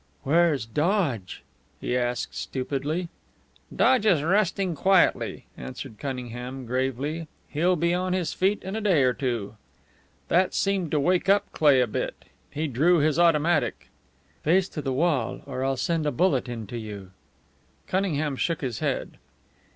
"Where's Dodge?" he asked, stupidly. "Dodge is resting quietly," answered Cunningham, gravely. "He'll be on his feet in a day or two." That seemed to wake up Cleigh a bit. He drew his automatic. "Face to the wall, or I'll send a bullet into you!" Cunningham shook his head.